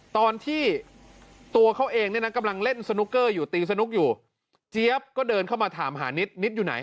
ตอนที่ตัวเขาเองเนี่ยนะกำลังเล่นสนุกเกอร์อยู่ตีสนุกอยู่เจี๊ยบก็เดินเข้ามาถามหานิดนิดอยู่ไหน